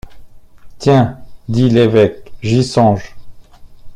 Tiens! dit l’évêque, j’y songe.